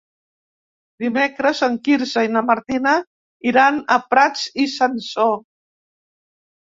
Dimecres en Quirze i na Martina iran a Prats i Sansor.